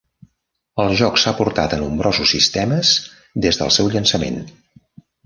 El joc s'ha portat a nombrosos sistemes des del seu llançament.